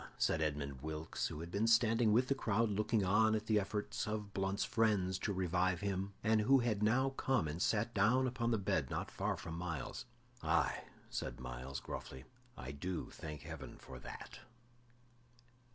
said Edmund Wilkes, who had been standing with the crowd looking on at the efforts of Blunt's friends to revive him, and who had now come and sat down upon the bed not far from Myles. "Aye," said Myles, gruffly, "I do thank Heaven for that."